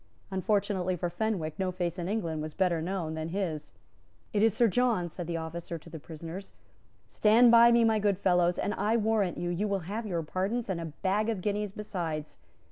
Unfortunately for Fenwick, no face in England was better known than his. "It is Sir John," said the officer to the prisoners: "Stand by me, my good fellows, and, I warrant you, you will have your pardons, and a bag of guineas besides."